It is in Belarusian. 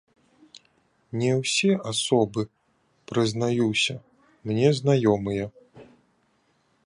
Не ўсе асобы, прызнаюся, мне знаёмыя.